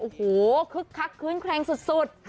โอ้โหคึกคักคืนแคลงสุด